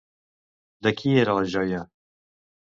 De qui era la joia?